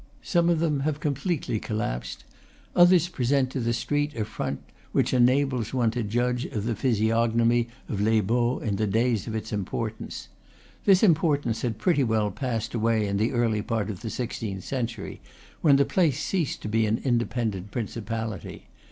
Some of them have completely collapsed; others present to the street a front which enables one to judge of the physiognomy of Les Baux in the days of its importance. This im portance had pretty well passed away in the early part of the sixteenth century, when the place ceased to be an independent principality.